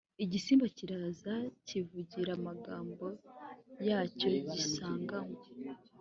igisimba kiraza cyivugira amagambo yacyo gisanganywe